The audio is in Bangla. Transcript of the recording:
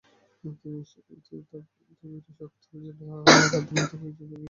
তবে এটাও সত্য, রাধের মতো কয়েকজন রোগী সেখান থেকে সুস্থ হয়ে এসেছে।